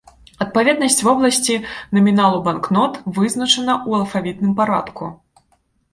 Адпаведнасць вобласці наміналу банкнот вызначана ў алфавітным парадку.